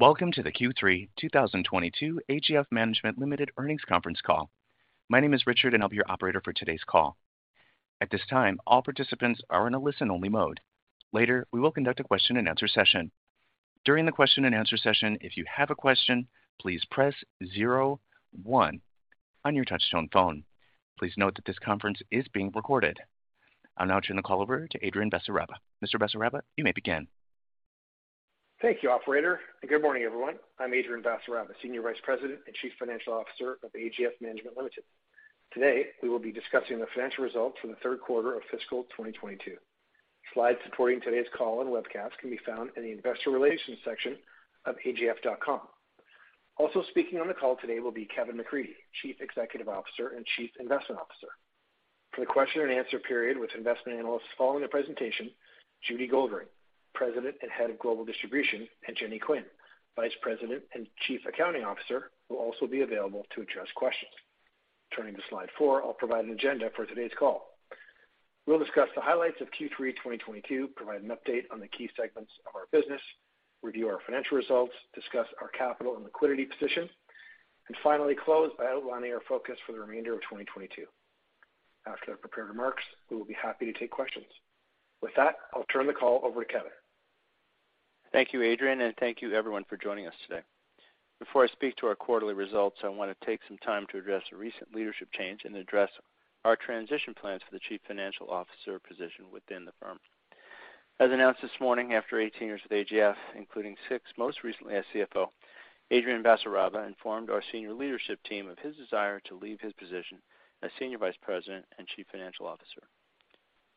Welcome to the Q3 2022 AGF Management Limited earnings conference call. My name is Richard and I'll be your operator for today's call. At this time, all participants are in a listen only mode. Later, we will conduct a question and answer session. During the question and answer session, if you have a question, please press zero one on your touchtone phone. Please note that this conference is being recorded. I'll now turn the call over to Adrian Basaraba. Mr. Basaraba, you may begin. Thank you, operator, and good morning, everyone. I'm Adrian Basaraba, Senior Vice President and Chief Financial Officer of AGF Management Limited. Today, we will be discussing the financial results for the third quarter of fiscal 2022. Slides supporting today's call and webcast can be found in the investor relations section of agf.com. Also speaking on the call today will be Kevin McCreadie, Chief Executive Officer and Chief Investment Officer. For the question and answer period with investment analysts following the presentation, Judy Goldring, President and Head of Global Distribution, and Jenny Quinn, Vice President and Chief Accounting Officer, will also be available to address questions. Turning to slide four, I'll provide an agenda for today's call. We'll discuss the highlights of Q3 2022, provide an update on the key segments of our business, review our financial results, discuss our capital and liquidity position, and finally close by outlining our focus for the remainder of 2022. After the prepared remarks, we will be happy to take questions. With that, I'll turn the call over to Kevin. Thank you, Adrian, and thank you everyone for joining us today. Before I speak to our quarterly results, I want to take some time to address a recent leadership change and address our transition plans for the Chief Financial Officer position within the firm. As announced this morning, after 18 years with AGF, including six most recently as CFO, Adrian Basaraba informed our senior leadership team of his desire to leave his position as Senior Vice President and Chief Financial Officer.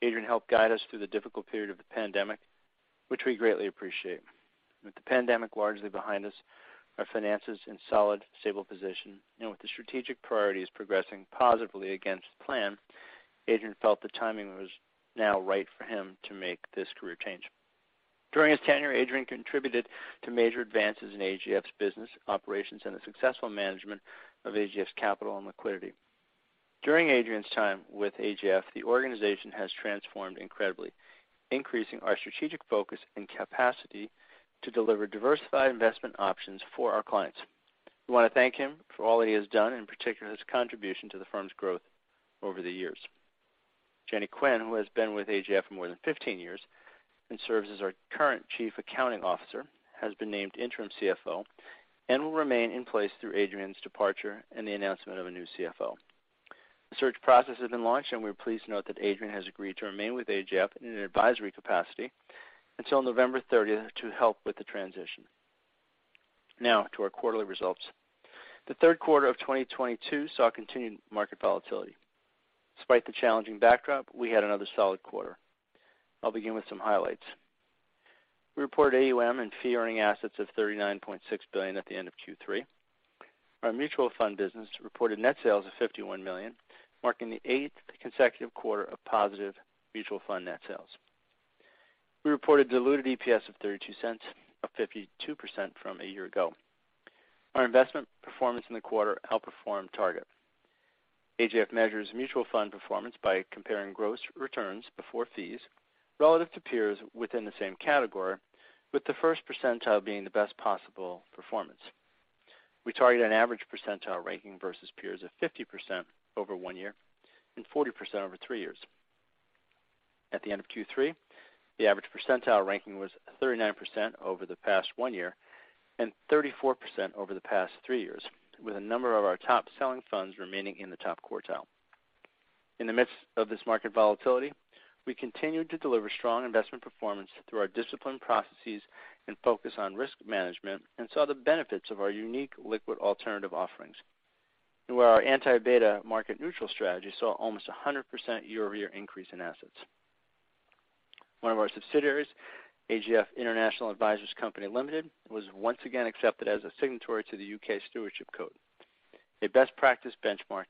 Adrian helped guide us through the difficult period of the pandemic, which we greatly appreciate. With the pandemic largely behind us, our finances in solid, stable position, and with the strategic priorities progressing positively against plan, Adrian felt the timing was now right for him to make this career change. During his tenure, Adrian contributed to major advances in AGF's business operations and the successful management of AGF's capital and liquidity. During Adrian's time with AGF, the organization has transformed incredibly, increasing our strategic focus and capacity to deliver diversified investment options for our clients. We want to thank him for all he has done, in particular his contribution to the firm's growth over the years. Jenny Quinn, who has been with AGF for more than 15 years and serves as our current Chief Accounting Officer, has been named interim CFO and will remain in place through Adrian's departure and the announcement of a new CFO. The search process has been launched, and we're pleased to note that Adrian has agreed to remain with AGF in an advisory capacity until November 30 to help with the transition. Now to our quarterly results. The third quarter of 2022 saw continued market volatility. Despite the challenging backdrop, we had another solid quarter. I'll begin with some highlights. We reported AUM and fee earning assets of 39.6 billion at the end of Q3. Our mutual fund business reported net sales of 51 million, marking the eighth consecutive quarter of positive mutual fund net sales. We reported diluted EPS of 0.32, up 52% from a year ago. Our investment performance in the quarter outperformed target. AGF measures mutual fund performance by comparing gross returns before fees relative to peers within the same category, with the first percentile being the best possible performance. We target an average percentile ranking versus peers of 50% over one year and 40% over three years. At the end of Q3, the average percentile ranking was 39% over the past one year and 34% over the past three years, with a number of our top selling funds remaining in the top quartile. In the midst of this market volatility, we continued to deliver strong investment performance through our disciplined processes and focus on risk management and saw the benefits of our unique liquid alternative offerings, where our anti-beta market neutral strategy saw almost 100% year-over-year increase in assets. One of our subsidiaries, AGF International Advisors Company Limited, was once again accepted as a signatory to the U.K. Stewardship Code, a best practice benchmark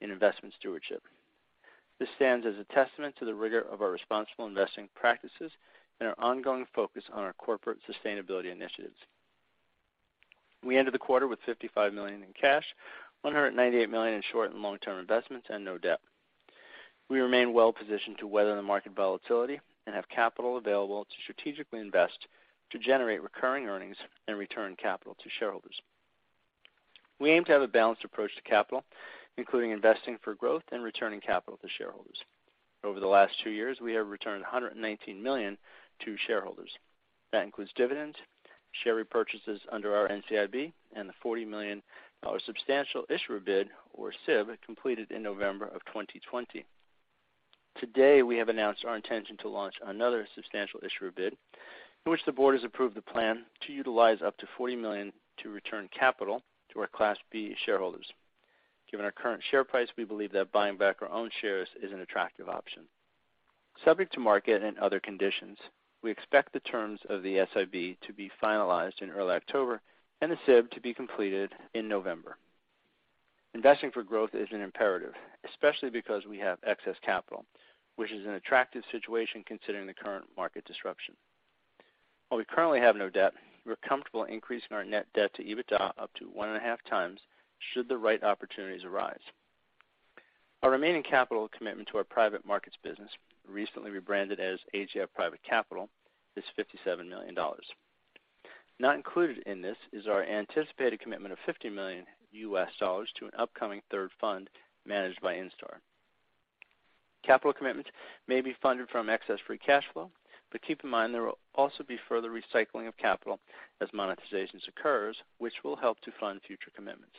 in investment stewardship. This stands as a testament to the rigor of our responsible investing practices and our ongoing focus on our corporate sustainability initiatives. We ended the quarter with 55 million in cash, 198 million in short and long term investments and no debt. We remain well positioned to weather the market volatility and have capital available to strategically invest to generate recurring earnings and return capital to shareholders. We aim to have a balanced approach to capital, including investing for growth and returning capital to shareholders. Over the last two years, we have returned 119 million to shareholders. That includes dividends, share repurchases under our NCIB, and the 40 million dollar substantial issuer bid, or SIB, completed in November 2020. Today, we have announced our intention to launch another substantial issuer bid in which the board has approved the plan to utilize up to 40 million to return capital to our Class B shareholders. Given our current share price, we believe that buying back our own shares is an attractive option. Subject to market and other conditions, we expect the terms of the SIB to be finalized in early October and the SIB to be completed in November. Investing for growth is an imperative, especially because we have excess capital, which is an attractive situation considering the current market disruption. While we currently have no debt, we're comfortable increasing our net debt to EBITDA up to 1.5x should the right opportunities arise. Our remaining capital commitment to our private markets business, recently rebranded as AGF Private Capital, is 57 million dollars. Not included in this is our anticipated commitment of $50 million to an upcoming third fund managed by Instar. Capital commitment may be funded from excess free cash flow, but keep in mind there will also be further recycling of capital as monetizations occurs, which will help to fund future commitments.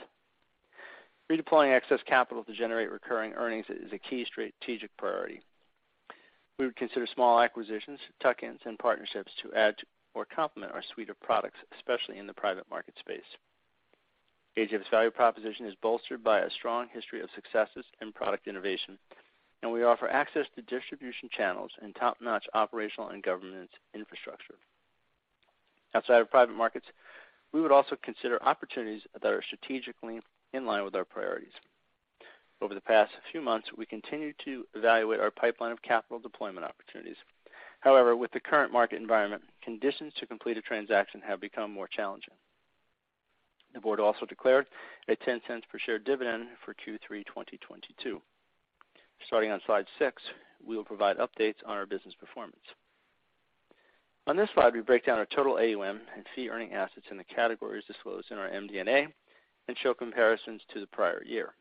Redeploying excess capital to generate recurring earnings is a key strategic priority. We would consider small acquisitions, tuck-ins, and partnerships to add to or complement our suite of products, especially in the private market space. AGF's value proposition is bolstered by a strong history of successes and product innovation, and we offer access to distribution channels and top-notch operational and government infrastructure. Outside of private markets, we would also consider opportunities that are strategically in line with our priorities. Over the past few months, we continue to evaluate our pipeline of capital deployment opportunities. However, with the current market environment, conditions to complete a transaction have become more challenging. The board also declared a 0.10 per share dividend for Q3 2022. Starting on slide six, we will provide updates on our business performance. On this slide, we break down our total AUM and fee-earning assets in the categories disclosed in our MD&A and show comparisons to the prior year.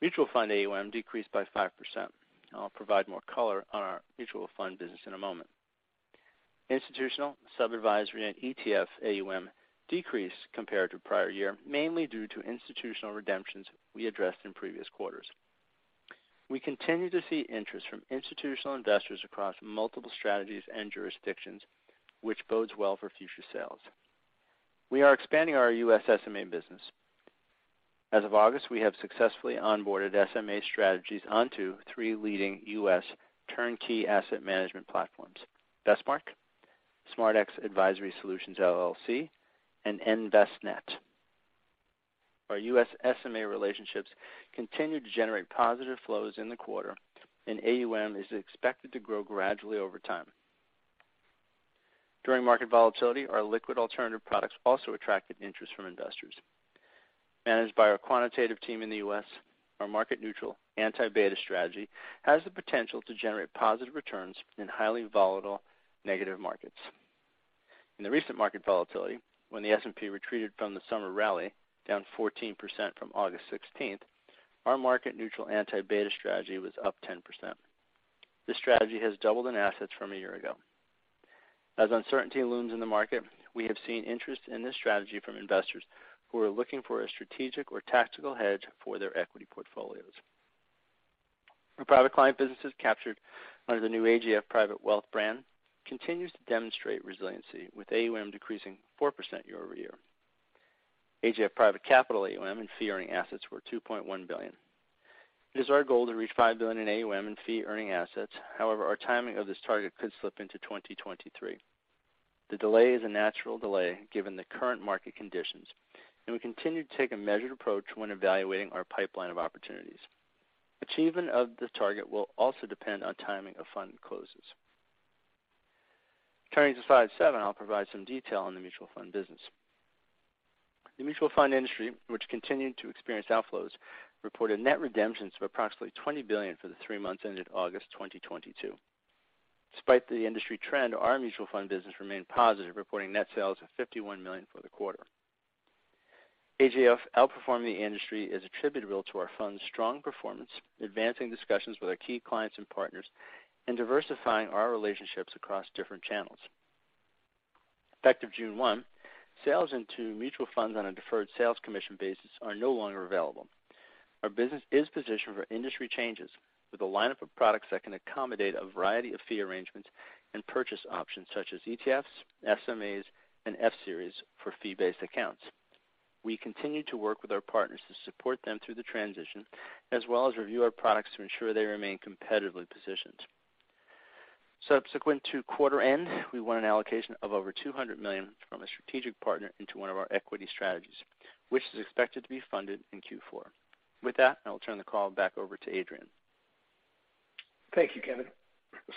Mutual fund AUM decreased by 5%. I'll provide more color on our mutual fund business in a moment. Institutional sub-advisory and ETF AUM decreased compared to prior year, mainly due to institutional redemptions we addressed in previous quarters. We continue to see interest from institutional investors across multiple strategies and jurisdictions, which bodes well for future sales. We are expanding our U.S. SMA business. As of August, we have successfully onboarded SMA strategies onto three leading U.S. turnkey asset management platforms, Vestmark, SMArtX Advisory Solutions LLC, and Envestnet. Our U.S. SMA relationships continued to generate positive flows in the quarter, and AUM is expected to grow gradually over time. During market volatility, our liquid alternative products also attracted interest from investors. Managed by our quantitative team in the U.S., our market neutral anti-beta strategy has the potential to generate positive returns in highly volatile negative markets. In the recent market volatility, when the S&P retreated from the summer rally, down 14% from August 16th, our market neutral anti-beta strategy was up 10%. This strategy has doubled in assets from a year ago. As uncertainty looms in the market, we have seen interest in this strategy from investors who are looking for a strategic or tactical hedge for their equity portfolios. Our private client business is captured under the new AGF Private Wealth brand, continues to demonstrate resiliency with AUM decreasing 4% year-over-year. AGF Private Capital AUM and fee-earning assets were 2.1 billion. It is our goal to reach 5 billion in AUM in fee-earning assets. However, our timing of this target could slip into 2023. The delay is a natural delay given the current market conditions, and we continue to take a measured approach when evaluating our pipeline of opportunities. Achievement of the target will also depend on timing of fund closes. Turning to slide seven, I'll provide some detail on the mutual fund business. The mutual fund industry, which continued to experience outflows, reported net redemptions of approximately 20 billion for the three months ended August 2022. Despite the industry trend, our mutual fund business remained positive, reporting net sales of 51 million for the quarter. AGF outperforming the industry is attributable to our fund's strong performance, advancing discussions with our key clients and partners, and diversifying our relationships across different channels. Effective June 1, sales into mutual funds on a deferred sales commission basis are no longer available. Our business is positioned for industry changes with a lineup of products that can accommodate a variety of fee arrangements and purchase options such as ETFs, SMAs, and F-series for fee-based accounts. We continue to work with our partners to support them through the transition, as well as review our products to ensure they remain competitively positioned. Subsequent to quarter end, we won an allocation of over 200 million from a strategic partner into one of our equity strategies, which is expected to be funded in Q4. With that, I will turn the call back over to Adrian. Thank you, Kevin.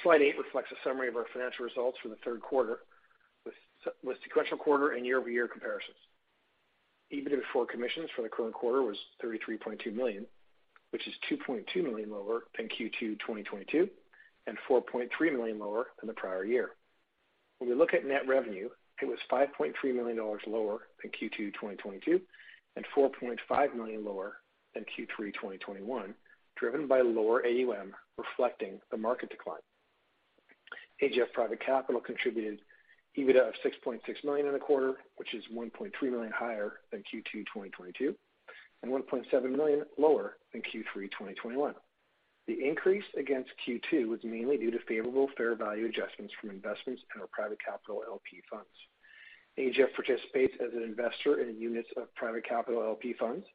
Slide eight reflects a summary of our financial results for the third quarter with sequential quarter and year-over-year comparisons. EBITDA before commissions for the current quarter was 33.2 million, which is 2.2 million lower than Q2 2022 and 4.3 million lower than the prior year. When we look at net revenue, it was 5.3 million dollars lower than Q2 2022 and 4.5 million lower than Q3 2021, driven by lower AUM reflecting the market decline. AGF Private Capital contributed EBITDA of 6.6 million in the quarter, which is 1.3 million higher than Q2 2022 and 1.7 million lower than Q3 2021. The increase against Q2 was mainly due to favorable fair value adjustments from investments in our private capital LP funds. AGF participates as an investor in units of private capital LP funds,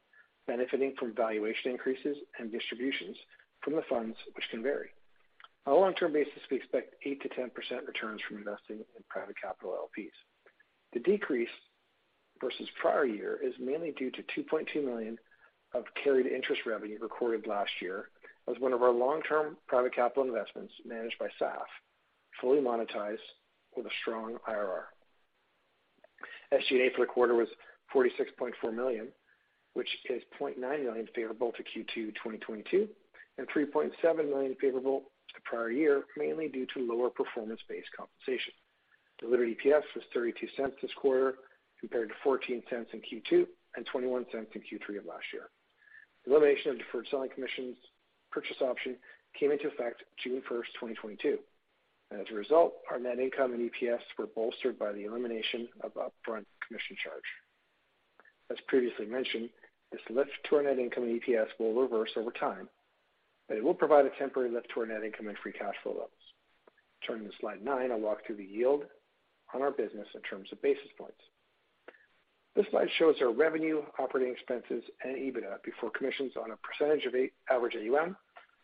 benefiting from valuation increases and distributions from the funds, which can vary. On a long-term basis, we expect 8%-10% returns from investing in private capital LPs. The decrease versus prior year is mainly due to 2.2 million of carried interest revenue recorded last year as one of our long-term private capital investments managed by SAF fully monetized with a strong IRR. SG&A for the quarter was 46.4 million, which is 0.9 million favorable to Q2 2022, and 3.7 million favorable to prior year, mainly due to lower performance-based compensation. Diluted EPS was 0.32 this quarter compared to 0.14 in Q2 and 0.21 in Q3 of last year. The elimination of deferred sales charge purchase option came into effect June 1st, 2022. As a result, our net income and EPS were bolstered by the elimination of upfront commission charge. As previously mentioned, this lift to our net income and EPS will reverse over time, but it will provide a temporary lift to our net income and free cash flow levels. Turning to slide nine, I'll walk through the yield on our business in terms of basis points. This slide shows our revenue, operating expenses, and EBITDA before commissions on a percentage of average AUM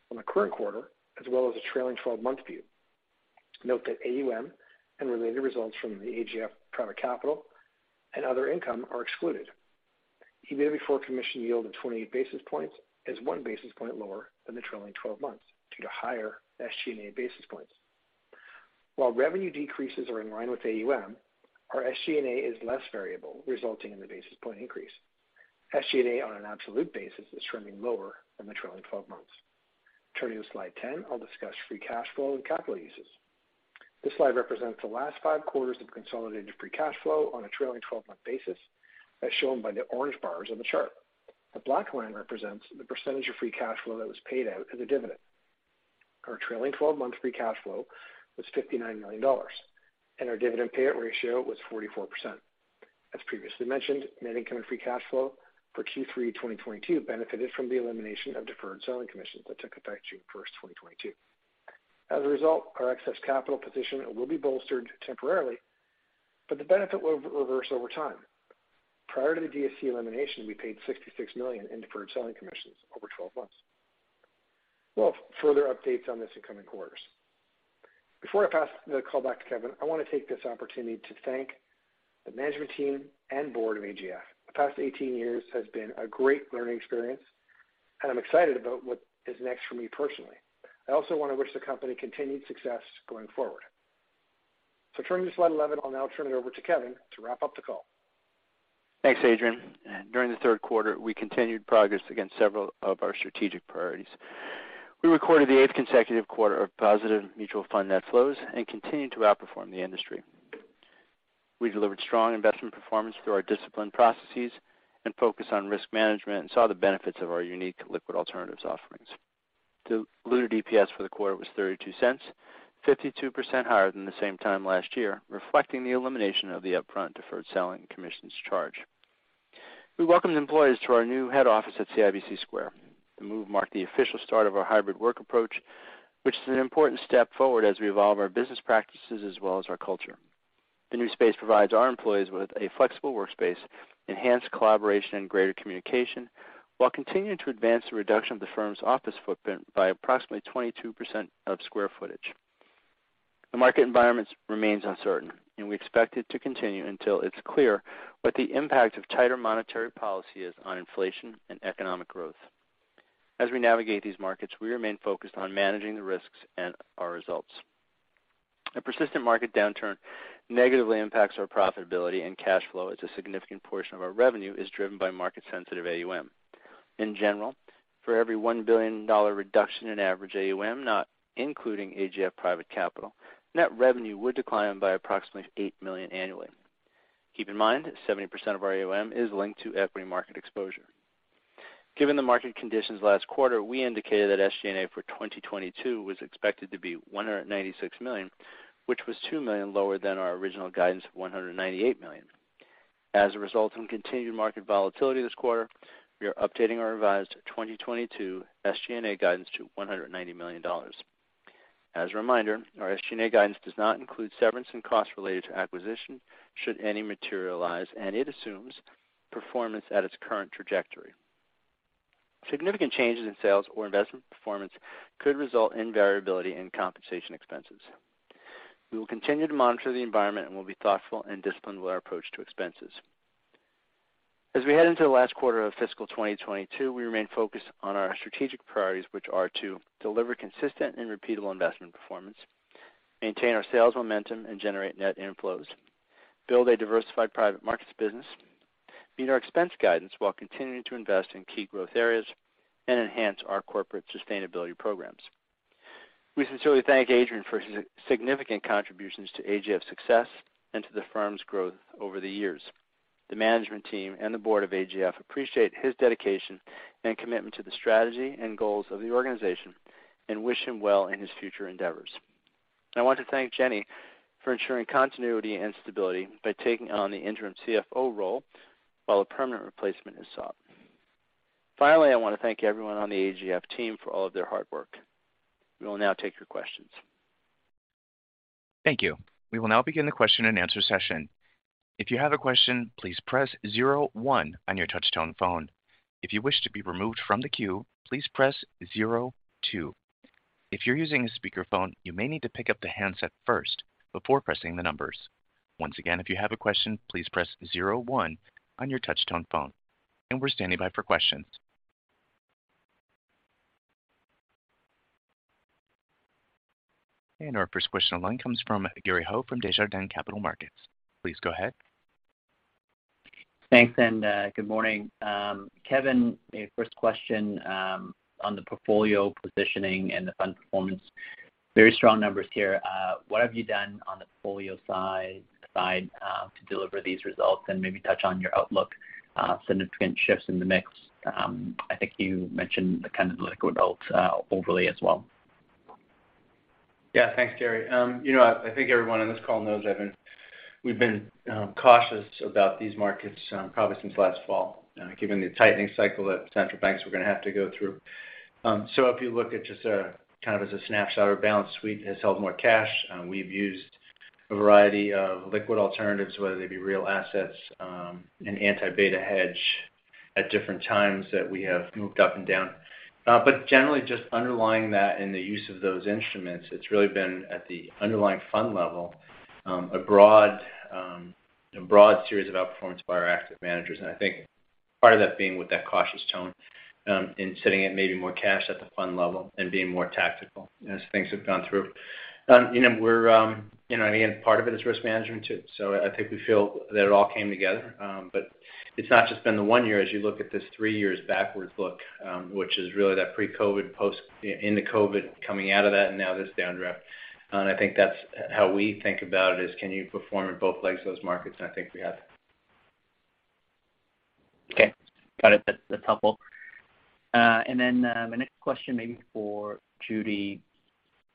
from the current quarter, as well as a trailing twelve-month view. Note that AUM and related results from the AGF Private Capital and other income are excluded. EBITDA before commission yield of 28 basis points is 1 basis point lower than the trailing twelve months due to higher SG&A basis points. While revenue decreases are in line with AUM, our SG&A is less variable, resulting in the basis point increase. SG&A on an absolute basis is trending lower than the trailing 12 months. Turning to slide 10, I'll discuss free cash flow and capital uses. This slide represents the last five quarters of consolidated free cash flow on a trailing twelve-month basis, as shown by the orange bars on the chart. The black line represents the percentage of free cash flow that was paid out as a dividend. Our trailing 12-month free cash flow was 59 million dollars, and our dividend payout ratio was 44%. As previously mentioned, net income and free cash flow for Q3 2022 benefited from the elimination of deferred selling commissions that took effect June 1st, 2022. As a result, our excess capital position will be bolstered temporarily, but the benefit will reverse over time. Prior to the DSC elimination, we paid 66 million in deferred selling commissions over 12 months. We'll have further updates on this in coming quarters. Before I pass the call back to Kevin, I want to take this opportunity to thank the management team and board of AGF. The past 18 years has been a great learning experience, and I'm excited about what is next for me personally. I also want to wish the company continued success going forward. Turning to slide 11, I'll now turn it over to Kevin to wrap up the call. Thanks, Adrian. During the third quarter, we continued progress against several of our strategic priorities. We recorded the eighth consecutive quarter of positive mutual fund net flows and continued to outperform the industry. We delivered strong investment performance through our disciplined processes and focus on risk management and saw the benefits of our unique liquid alternatives offerings. Diluted EPS for the quarter was 0.32, 52% higher than the same time last year, reflecting the elimination of the upfront deferred selling commissions charge. We welcomed employees to our new head office at CIBC Square. The move marked the official start of our hybrid work approach, which is an important step forward as we evolve our business practices as well as our culture. The new space provides our employees with a flexible workspace, enhanced collaboration, and greater communication, while continuing to advance the reduction of the firm's office footprint by approximately 22% of square footage. The market environment remains uncertain, and we expect it to continue until it's clear what the impact of tighter monetary policy is on inflation and economic growth. As we navigate these markets, we remain focused on managing the risks and our results. A persistent market downturn negatively impacts our profitability and cash flow as a significant portion of our revenue is driven by market sensitive AUM. In general, for every 1 billion dollar reduction in average AUM, not including AGF Private Capital, net revenue would decline by approximately 8 million annually. Keep in mind, 70% of our AUM is linked to equity market exposure. Given the market conditions last quarter, we indicated that SG&A for 2022 was expected to be 196 million, which was 2 million lower than our original guidance of 198 million. As a result of continued market volatility this quarter, we are updating our revised 2022 SG&A guidance to 190 million dollars. As a reminder, our SG&A guidance does not include severance and costs related to acquisition should any materialize, and it assumes performance at its current trajectory. Significant changes in sales or investment performance could result in variability in compensation expenses. We will continue to monitor the environment and will be thoughtful and disciplined with our approach to expenses. As we head into the last quarter of fiscal 2022, we remain focused on our strategic priorities, which are to deliver consistent and repeatable investment performance, maintain our sales momentum, and generate net inflows, build a diversified private markets business, meet our expense guidance while continuing to invest in key growth areas, and enhance our corporate sustainability programs. We sincerely thank Adrian for his significant contributions to AGF's success and to the firm's growth over the years. The management team and the board of AGF appreciate his dedication and commitment to the strategy and goals of the organization and wish him well in his future endeavors. I want to thank Jenny for ensuring continuity and stability by taking on the interim CFO role while a permanent replacement is sought. Finally, I want to thank everyone on the AGF team for all of their hard work. We will now take your questions. Thank you. We will now begin the question and answer session. If you have a question, please press zero one on your touch-tone phone. If you wish to be removed from the queue, please press zero two. If you're using a speakerphone, you may need to pick up the handset first before pressing the numbers. Once again, if you have a question, please press zero one on your touch-tone phone. We're standing by for questions. Our first question online comes from Gary Ho from Desjardins Capital Markets. Please go ahead. Thanks, good morning. Kevin, first question, on the portfolio positioning and the fund performance. Very strong numbers here. What have you done on the portfolio side to deliver these results? Maybe touch on your outlook, significant shifts in the mix. I think you mentioned the kind of liquid alts, overlay as well. Yeah. Thanks, Gary. You know, I think everyone on this call knows we've been cautious about these markets, probably since last fall, given the tightening cycle that central banks were gonna have to go through. If you look at just kind of as a snapshot, our balanced suite has held more cash. We've used a variety of liquid alternatives, whether they be real assets, an anti-beta hedge at different times that we have moved up and down. But generally just underlying that in the use of those instruments, it's really been at the underlying fund level, a broad, you know, series of outperformance by our active managers. I think part of that being with that cautious tone, in sitting at maybe more cash at the fund level and being more tactical as things have gone through. You know, we're, you know, again, part of it is risk management too. I think we feel that it all came together. It's not just been the one year. As you look at this three years backwards look, which is really that pre-COVID, in the COVID, coming out of that, and now this downdraft. I think that's how we think about it is, can you perform in both legs of those markets? I think we have. Okay. Got it. That, that's helpful. My next question maybe for Judy.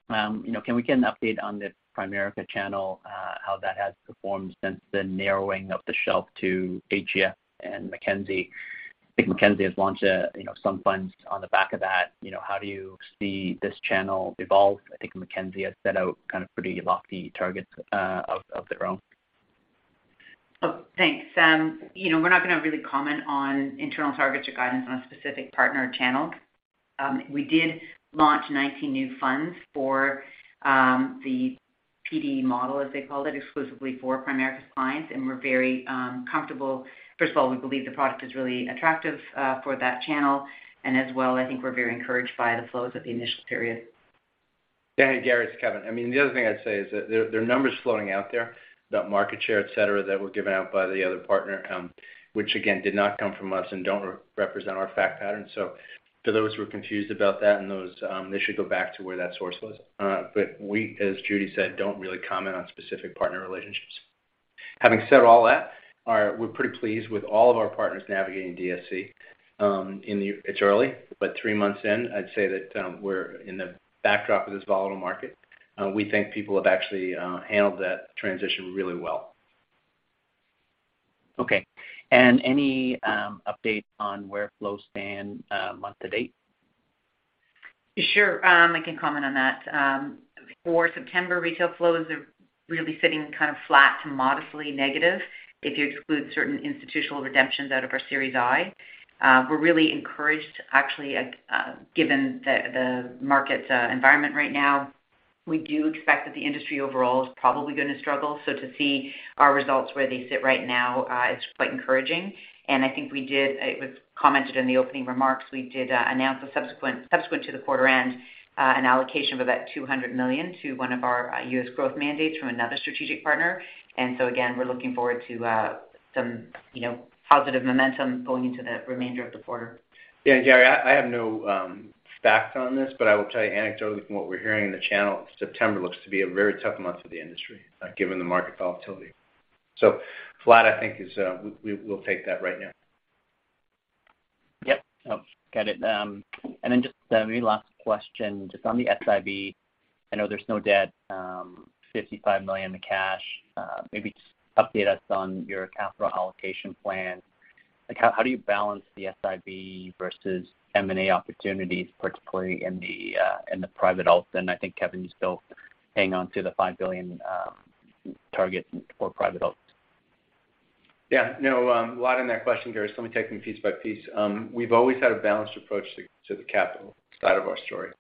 You know, can we get an update on the Primerica channel, how that has performed since the narrowing of the shelf to AGF and Mackenzie? I think Mackenzie has launched, you know, some funds on the back of that. You know, how do you see this channel evolve? I think Mackenzie has set out kind of pretty lofty targets, of their own. Oh, thanks. You know, we're not gonna really comment on internal targets or guidance on a specific partner channel. We did launch 19 new funds for the PD model, as they called it, exclusively for Primerica's clients, and we're very comfortable. First of all, we believe the product is really attractive for that channel. As well, I think we're very encouraged by the flows of the initial period. Yeah. Gary, it's Kevin. I mean, the other thing I'd say is that there are numbers floating out there about market share, et cetera, that were given out by the other partner, which again, did not come from us and don't represent our fact pattern. For those who are confused about that and those, they should go back to where that source was. We, as Judy said, don't really comment on specific partner relationships. Having said all that, we're pretty pleased with all of our partners navigating DSC. It's early, but three months in, I'd say that we're in the backdrop of this volatile market. We think people have actually handled that transition really well. Okay. Any update on where flows stand, month to date? Sure. I can comment on that. For September, retail flows are really sitting kind of flat to modestly negative if you exclude certain institutional redemptions out of our Series I. We're really encouraged actually at, given the market's environment right now. We do expect that the industry overall is probably gonna struggle. To see our results where they sit right now is quite encouraging. I think it was commented in the opening remarks. We did announce a subsequent to the quarter end an allocation of about $200 million to one of our U.S. growth mandates from another strategic partner. Again, we're looking forward to some, you know, positive momentum going into the remainder of the quarter. Yeah. Gary, I have no facts on this, but I will tell you anecdotally from what we're hearing in the channel, September looks to be a very tough month for the industry, given the market volatility. So flat, I think, is. We'll take that right now. Yep. No. Got it. Then just maybe last question just on the SIB. I know there's no debt, 55 million in cash. Maybe just update us on your capital allocation plan. Like, how do you balance the SIB versus M&A opportunities, particularly in the private alt? I think, Kevin, you still hang on to the 5 billion target for private alts. Yeah. No, a lot in that question, Gary, so let me take them piece by piece. We've always had a balanced approach to the capital side of our story,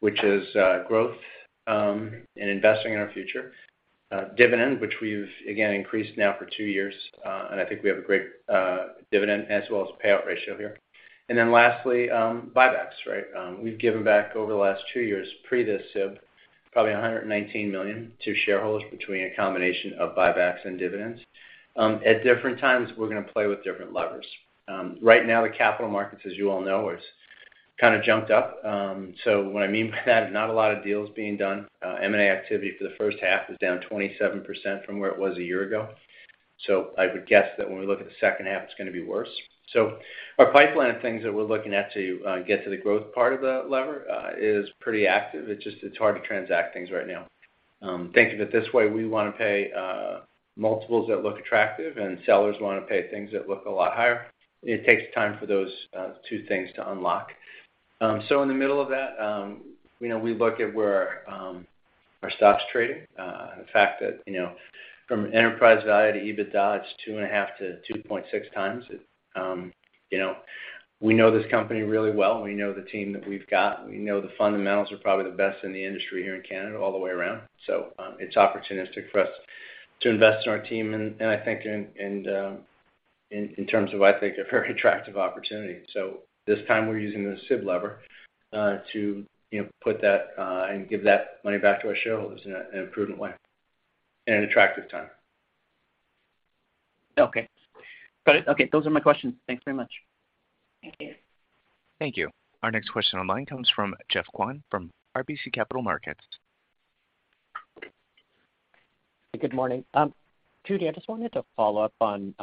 which is growth and investing in our future. Dividend, which we've again increased now for two years. I think we have a great dividend as well as payout ratio here. Then lastly, buybacks, right? We've given back over the last two years pre this SIB probably 119 million to shareholders between a combination of buybacks and dividends. At different times, we're gonna play with different levers. Right now the capital markets, as you all know, has kind of jumped up. What I mean by that, not a lot of deals being done. M&A activity for the first half is down 27% from where it was a year ago. I would guess that when we look at the second half, it's gonna be worse. Our pipeline of things that we're looking at to get to the growth part of the lever is pretty active. It's just, it's hard to transact things right now. Think of it this way. We wanna pay multiples that look attractive and sellers wanna pay things that look a lot higher. It takes time for those two things to unlock. In the middle of that, we look at where our stock's trading. The fact that from enterprise value to EBITDA, it's 2.5x to 2.6x. We know this company really well. We know the team that we've got. We know the fundamentals are probably the best in the industry here in Canada all the way around. It's opportunistic for us to invest in our team. I think in terms of a very attractive opportunity. This time we're using the SIB lever to put that and give that money back to our shareholders in a prudent way, in an attractive time. Okay. Got it. Okay, those are my questions. Thanks very much. Thank you. Thank you. Our next question online comes from Geoff Kwan from RBC Capital Markets. Good morning. Judy, I just wanted to follow up on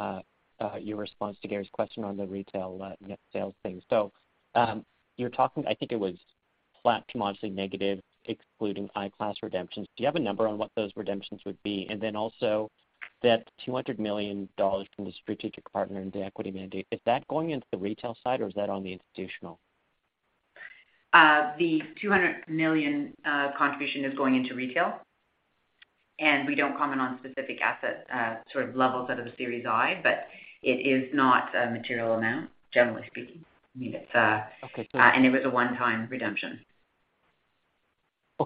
your response to Gary's question on the retail net sales thing. You're talking. I think it was flat to modestly negative, excluding I-class redemptions. Do you have a number on what those redemptions would be? Then also that 200 million dollars from the strategic partner in the equity mandate, is that going into the retail side, or is that on the institutional? The 200 million contribution is going into retail. We don't comment on specific asset sort of levels out of the Series I, but it is not a material amount, generally speaking. I mean, it's Okay. It was a one-time redemption.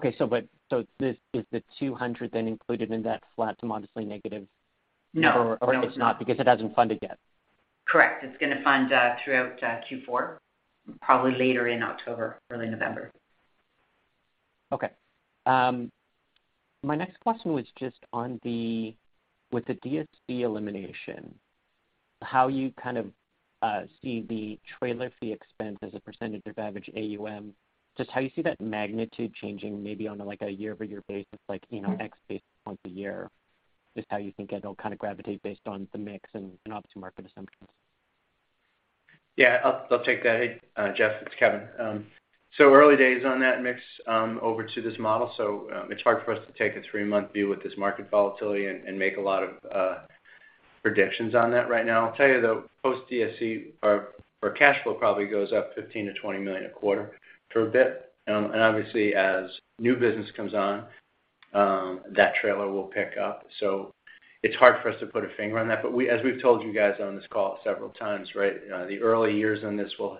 Is the 200 then included in that flat to modestly negative? No. It's not because it hasn't funded yet. Correct. It's gonna fund throughout Q4, probably later in October, early November. Okay. My next question was just on with the DSC elimination, how you kind of see the trailer fee expense as a percentage of average AUM, just how you see that magnitude changing maybe on a, like a year-over-year basis, like, you know, X based upon the year, just how you think it'll kind of gravitate based on the mix and optimal market assumptions. Yeah. I'll take that. Hey, Geoff, it's Kevin. Early days on that mix over to this model. It's hard for us to take a three-month view with this market volatility and make a lot of predictions on that right now. I'll tell you though, post DSC, our cash flow probably goes up 15 million-20 million a quarter for a bit. And obviously, as new business comes on, that trailer will pick up. It's hard for us to put a finger on that. As we've told you guys on this call several times, right, the early years on this will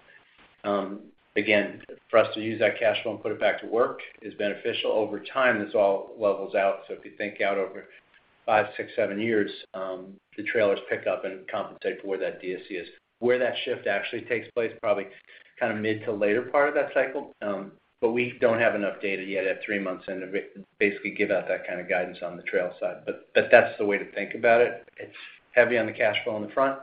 again for us to use that cash flow and put it back to work is beneficial. Over time, this all levels out. If you think out over five, six, seven years, the trailers pick up and compensate for where that DSC is. Where that shift actually takes place, probably kind of mid to later part of that cycle. But we don't have enough data yet at three months in to basically give out that kind of guidance on the trail side. But that's the way to think about it. It's heavy on the cash flow on the front,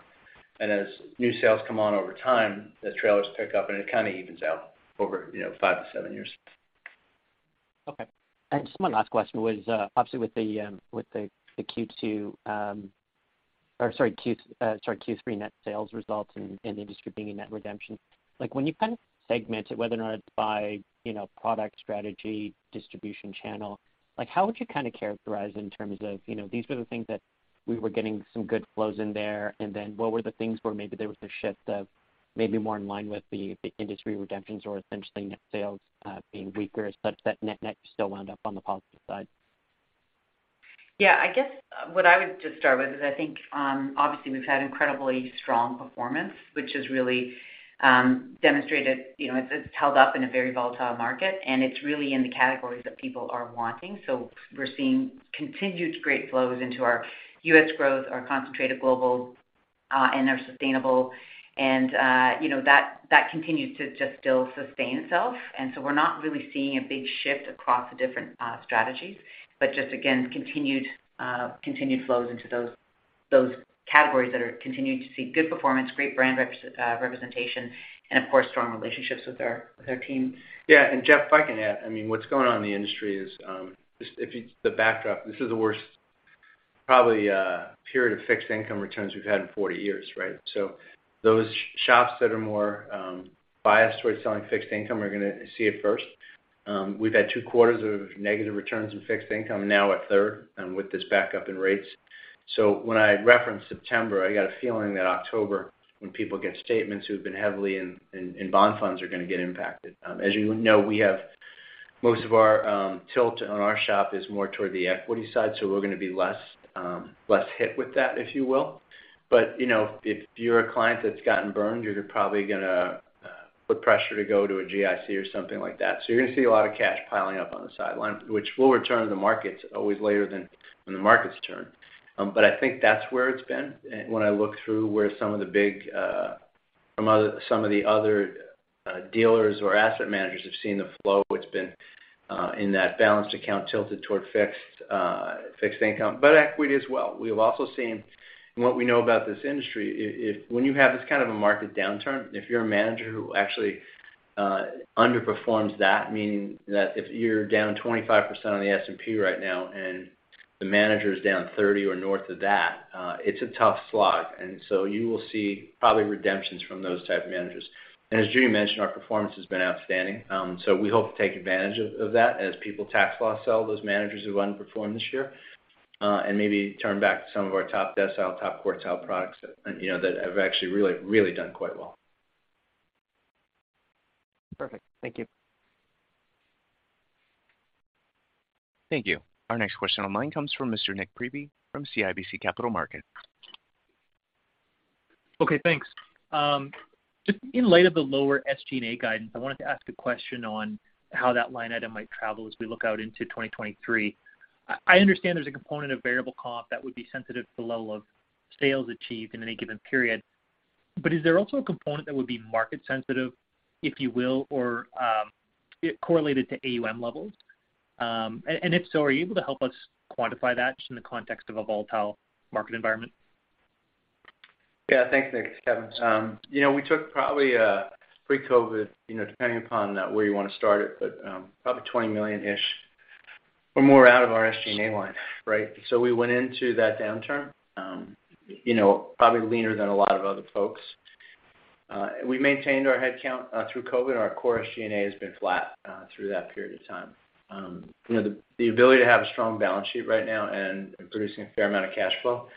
and as new sales come on over time, the trailers pick up, and it kind of evens out over, you know, five to seven years. Okay. Just my last question was, obviously with the Q3 net sales results in the industry being a net redemption, like when you kind of segment it, whether or not it's by, you know, product strategy, distribution channel, like how would you kind of characterize in terms of, you know, these were the things that we were getting some good flows in there, and then what were the things where maybe there was a shift of maybe more in line with the industry redemptions or essentially net sales being weaker such that net-net you still wound up on the positive side? Yeah. I guess what I would just start with is I think, obviously, we've had incredibly strong performance, which has really demonstrated, you know, it's held up in a very volatile market, and it's really in the categories that people are wanting. We're seeing continued great flows into our U.S. growth, our concentrated global, and our sustainable. You know, that continues to just still sustain itself. We're not really seeing a big shift across the different strategies, but just again, continued flows into those categories that are continuing to see good performance, great brand representation, and of course, strong relationships with our team. Yeah. Geoff, if I can add, I mean, what's going on in the industry is, the backdrop, this is the worst probably period of fixed income returns we've had in 40 years, right? So those shops that are more biased towards selling fixed income are gonna see it first. We've had two quarters of negative returns in fixed income, now a third, with this backup in rates. So when I referenced September, I got a feeling that October, when people get statements who've been heavily in bond funds are gonna get impacted. As you know, we have most of our tilt on our shop is more toward the equity side, so we're gonna be less hit with that, if you will. You know, if you're a client that's gotten burned, you're probably gonna put pressure to go to a GIC or something like that. You're gonna see a lot of cash piling up on the sideline, which will return to the markets always later than when the markets turn. I think that's where it's been. When I look through where some of the big, some of the other dealers or asset managers have seen the flow, it's been in that balanced account tilted toward fixed income, but equity as well. We've also seen what we know about this industry, if when you have this kind of a market downturn, if you're a manager who actually underperforms that, meaning that if you're down 25% on the S&P right now and the manager's down 30 or north of that, it's a tough slog. You will see probably redemptions from those type of managers. As Judy mentioned, our performance has been outstanding. We hope to take advantage of that as people tax loss sell those managers who've underperformed this year and maybe turn back to some of our top decile, top quartile products that, you know, that have actually really done quite well. Perfect. Thank you. Thank you. Our next question online comes from Mr. Nik Priebe from CIBC Capital Markets. Okay, thanks. Just in light of the lower SG&A guidance, I wanted to ask a question on how that line item might travel as we look out into 2023. I understand there's a component of variable comp that would be sensitive to the level of sales achieved in any given period. Is there also a component that would be market sensitive, if you will, or correlated to AUM levels? If so, are you able to help us quantify that just in the context of a volatile market environment? Yeah. Thanks, Kevin. You know, we took probably, pre-COVID, you know, depending upon where you wanna start it, but probably 20 million-ish or more out of our SG&A line, right? We went into that downturn, you know, probably leaner than a lot of other folks. We maintained our headcount through COVID. Our core SG&A has been flat through that period of time. You know, the ability to have a strong balance sheet right now and producing a fair amount of cash flow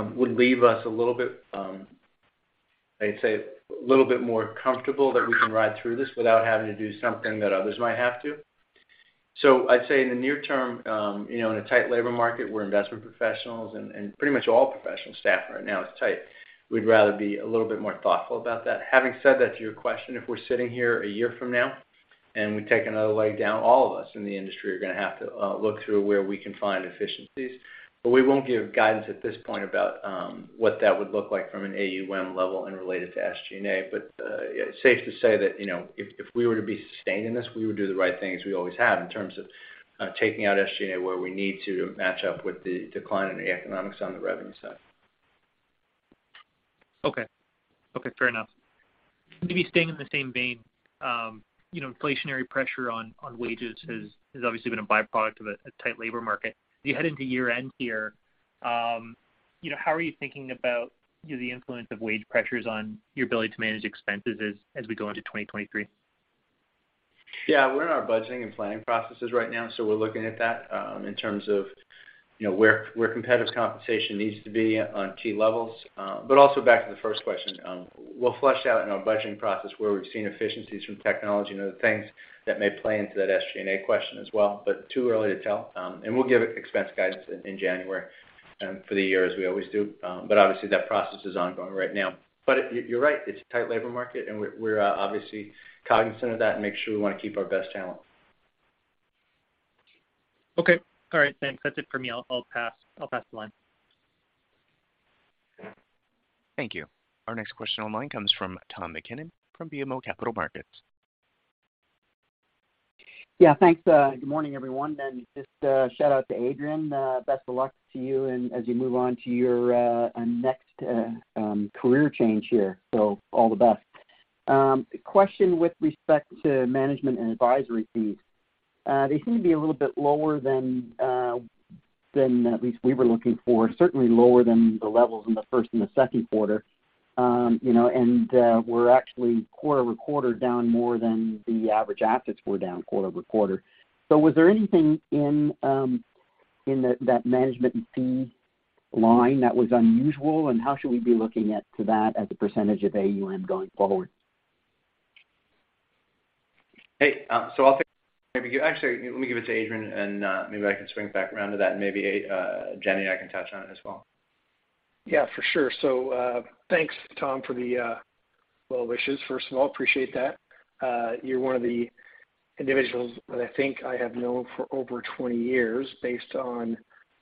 would leave us a little bit, I'd say a little bit more comfortable that we can ride through this without having to do something that others might have to. I'd say in the near term, you know, in a tight labor market, we're investment professionals and pretty much all professional SAF right now is tight. We'd rather be a little bit more thoughtful about that. Having said that, to your question, if we're sitting here a year from now and we take another leg down, all of us in the industry are gonna have to look through where we can find efficiencies. But we won't give guidance at this point about what that would look like from an AUM level and related to SG&A. It's safe to say that, you know, if we were to be sustained in this, we would do the right thing as we always have in terms of taking out SG&A where we need to to match up with the decline in the economics on the revenue side. Okay. Okay, fair enough. Maybe staying in the same vein, you know, inflationary pressure on wages has obviously been a by-product of a tight labor market. You head into year-end here, you know, how are you thinking about the influence of wage pressures on your ability to manage expenses as we go into 2023? Yeah. We're in our budgeting and planning processes right now, so we're looking at that, in terms of, you know, where competitive compensation needs to be on key levels. Also back to the first question, we'll flesh out in our budgeting process where we've seen efficiencies from technology and other things that may play into that SG&A question as well. Too early to tell. We'll give expense guidance in January for the year as we always do. Obviously that process is ongoing right now. You're right, it's a tight labor market, and we're obviously cognizant of that and make sure we wanna keep our best talent. Okay. All right, thanks. That's it for me. I'll pass the line. Thank you. Our next question on the line comes from Tom MacKinnon from BMO Capital Markets. Yeah, thanks. Good morning, everyone. Just a shout-out to Adrian. Best of luck to you as you move on to your next career change here. All the best. Question with respect to management and advisory fees. They seem to be a little bit lower than at least we were looking for, certainly lower than the levels in the first and the second quarter. You know, we're actually quarter-over-quarter down more than the average assets were down quarter-over-quarter. Was there anything in that management fee line that was unusual, and how should we be looking at that as a percentage of AUM going forward? Hey, I'll take that. Actually, let me give it to Adrian, and maybe I can swing back around to that, and maybe Jenny and I can touch on it as well. Yeah, for sure. Thanks, Tom, for the well wishes. First of all, appreciate that. You're one of the individuals that I think I have known for over 20 years based on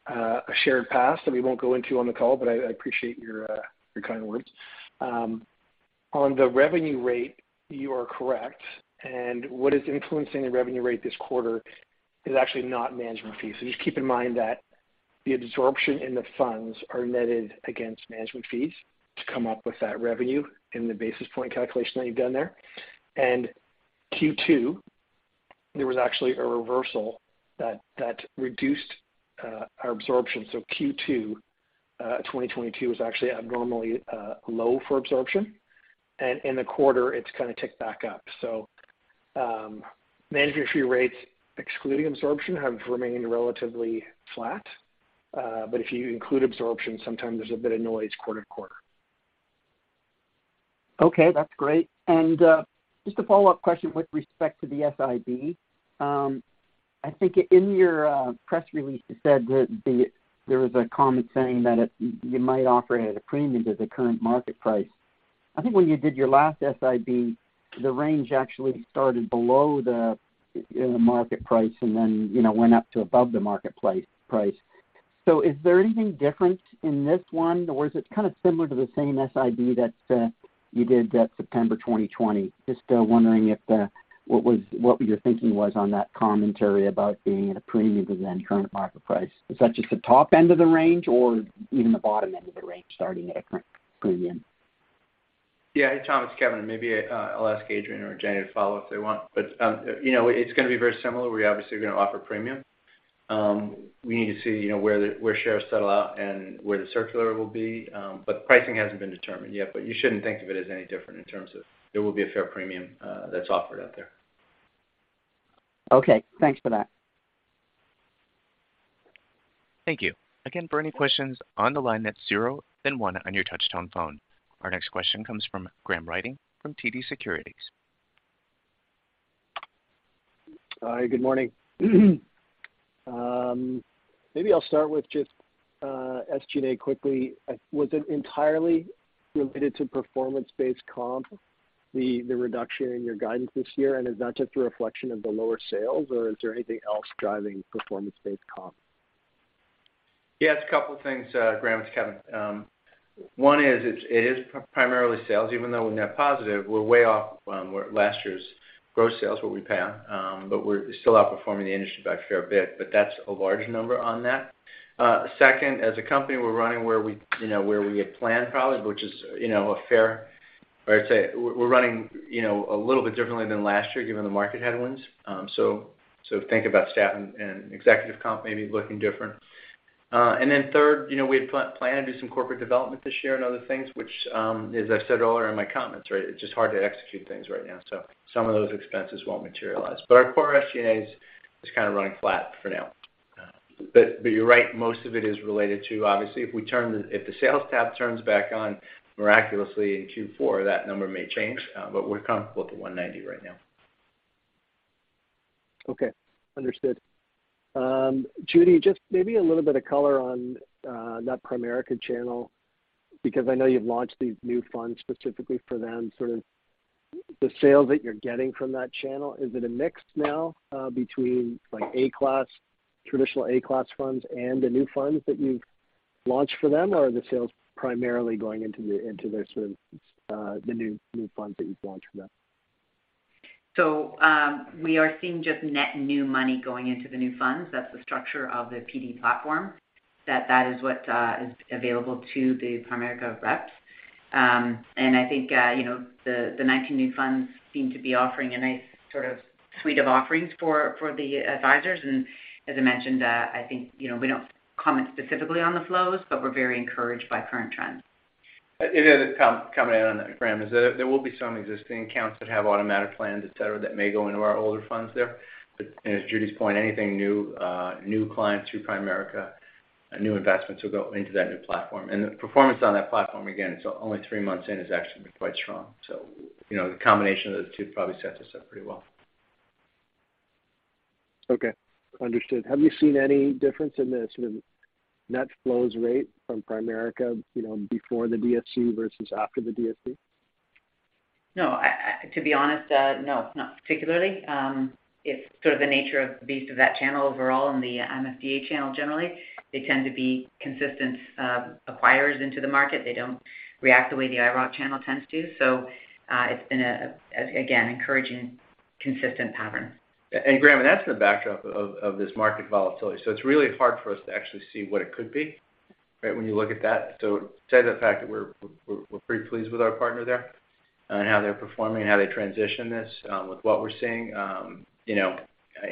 a shared past that we won't go into on the call, but I appreciate your kind words. On the revenue rate, you are correct. What is influencing the revenue rate this quarter is actually not management fees. Just keep in mind that the absorption in the funds are netted against management fees to come up with that revenue in the basis point calculation that you've done there. Q2, there was actually a reversal that reduced our absorption. Q2 2022 was actually abnormally low for absorption. In the quarter, it's kind of ticked back up. Management fee rates, excluding absorption, have remained relatively flat. If you include absorption, sometimes there's a bit of noise quarter to quarter. Okay, that's great. Just a follow-up question with respect to the SIB. I think in your press release, it said that there was a comment saying that you might offer it at a premium to the current market price. I think when you did your last SIB, the range actually started below the market price and then went up to above the market price. Is there anything different in this one, or is it kind of similar to the same SIB that you did that September 2020? Just wondering if what your thinking was on that commentary about being at a premium to the current market price. Is that just the top end of the range or even the bottom end of the range starting at a current premium? Yeah. Tom, it's Kevin. Maybe I'll ask Adrian or Jenny to follow if they want. You know, it's gonna be very similar. We're obviously gonna offer premium. We need to see, you know, where shares settle out and where the circular will be. Pricing hasn't been determined yet, but you shouldn't think of it as any different in terms of there will be a fair premium that's offered out there. Okay, thanks for that. Thank you. Again, for any questions on the line, that's zero then one on your touch tone phone. Our next question comes from Graham Ryding from TD Securities. Hi, good morning. Maybe I'll start with just SG&A quickly. Was it entirely related to performance-based comp, the reduction in your guidance this year? Is that just a reflection of the lower sales, or is there anything else driving performance-based comp? Yeah, it's a couple things, Graham. It's Kevin. One is, it is primarily sales. Even though we're net positive, we're way off from where last year's gross sales were, we're past. We're still outperforming the industry by a fair bit, but that's a large number on that. Second, as a company, we're running where we, you know, where we had planned probably, which is, you know. I'd say we're running a little bit differently than last year given the market headwinds. Think about SAF and executive comp maybe looking different. Third, you know, we had planned to do some corporate development this year and other things which, as I said earlier in my comments, right, it's just hard to execute things right now. Some of those expenses won't materialize. Our core SG&A is kind of running flat for now. You're right, most of it is related to obviously if the sales tap turns back on miraculously in Q4, that number may change, but we're comfortable at 190 right now. Okay. Understood. Judy, just maybe a little bit of color on that Primerica channel, because I know you've launched these new funds specifically for them, sort of the sales that you're getting from that channel, is it a mix now between like A-class, traditional A-class funds and the new funds that you've launched for them? Or are the sales primarily going into their sort of the new funds that you've launched for them? We are seeing just net new money going into the new funds. That's the structure of the PD platform. That is what is available to the Primerica reps. I think, you know, the 19 new funds seem to be offering a nice sort of suite of offerings for the advisors. As I mentioned, I think, you know, we don't comment specifically on the flows, but we're very encouraged by current trends. Commenting on that, Graham, is that there will be some existing accounts that have automatic plans, et cetera, that may go into our older funds there. As Judy's point, anything new clients through Primerica, new investments will go into that new platform. The performance on that platform, again, it's only three months in, has actually been quite strong. You know, the combination of those two probably sets us up pretty well. Okay. Understood. Have you seen any difference in the sort of net flows rate from Primerica, you know, before the DSC versus after the DSC? No. To be honest, no, not particularly. It's sort of the nature of the beast of that channel overall and the MFDA channel generally. They tend to be consistent acquirers into the market. They don't react the way the IIROC channel tends to. It's been, again, encouraging consistent pattern. Graham, that's in the backdrop of this market volatility. It's really hard for us to actually see what it could be, right, when you look at that. Say the fact that we're pretty pleased with our partner there on how they're performing, how they transition this, with what we're seeing, you know,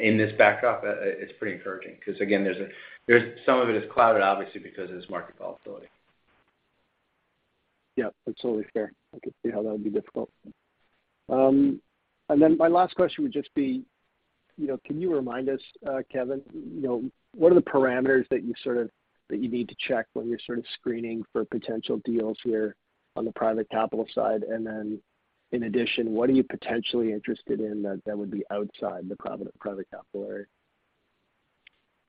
in this backdrop. It's pretty encouraging because, again, there's some of it is clouded obviously because of this market volatility. Yeah, that's totally fair. I could see how that would be difficult. My last question would just be, you know, can you remind us, Kevin, you know, what are the parameters that you need to check when you're sort of screening for potential deals here on the private capital side? In addition, what are you potentially interested in that would be outside the private capital area?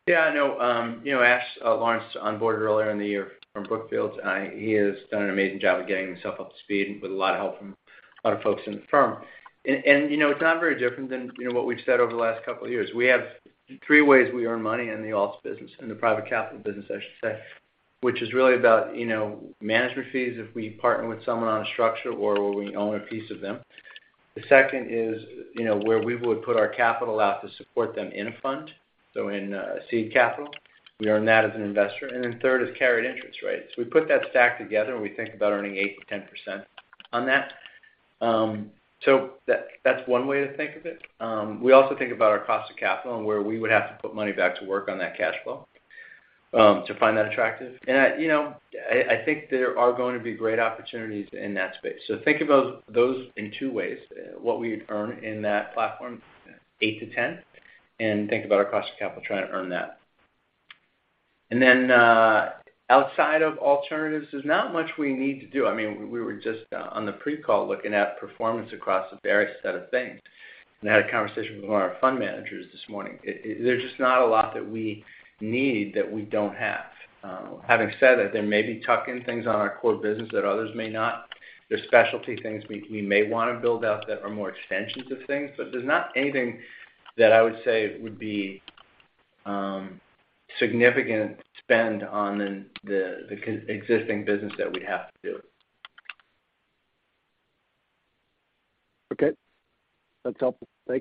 Yeah, no, you know, Ash Lawrence onboarded earlier in the year from Brookfield. He has done an amazing job of getting himself up to speed with a lot of help from a lot of folks in the firm. You know, it's not very different than, you know, what we've said over the last couple of years. We have three ways we earn money in the alts business, in the private capital business, I should say, which is really about, you know, management fees if we partner with someone on a structure or where we own a piece of them. The second is, you know, where we would put our capital out to support them in a fund, so in a seed capital. We earn that as an investor. Then third is carried interest rates. We put that stack together, and we think about earning 8%-10% on that. That's one way to think of it. We also think about our cost of capital and where we would have to put money back to work on that cash flow to find that attractive. You know, I think there are going to be great opportunities in that space. Think about those in two ways, what we'd earn in that platform, 8%-10%, and think about our cost of capital trying to earn that. Outside of alternatives, there's not much we need to do. I mean, we were just on the pre-call looking at performance across a varied set of things and had a conversation with one of our fund managers this morning. There's just not a lot that we need that we don't have. Having said that, there may be tuck-in things on our core business that others may not. There's specialty things we may wanna build out that are more extensions of things, but there's not anything that I would say would be significant spend on the existing business that we'd have to do. Okay. That's helpful. Thank you.